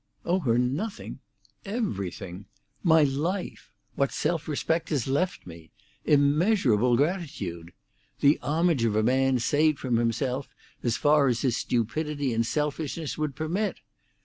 "Owe her nothing? Everything! My life! What self respect is left me! Immeasurable gratitude! The homage of a man saved from himself as far as his stupidity and selfishness would permit!